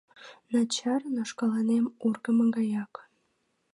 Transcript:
Начар, но шкаланем ургымо гаяк.